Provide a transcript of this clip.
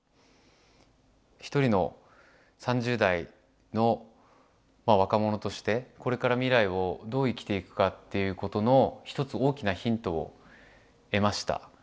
一人の３０代の若者としてこれから未来をどう生きていくかっていうことの一つ大きなヒントを得ました。